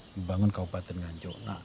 membangun kabupaten ganjo